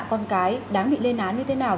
con cái đáng bị lên án như thế nào